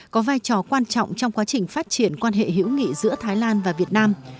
có vai trò quan trọng trong quá trình phát triển quan hệ hữu nghị giữa thái lan và việt nam